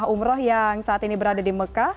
umroh yang saat ini berada di mekah